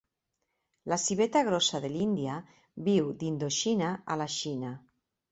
La civeta grossa de l'Índia viu d'Indoxina a la Xina.